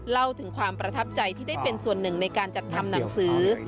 เล่าถึงความประทับใจที่ได้เป็นส่วนหนึ่งในการจัดทำหนังสือ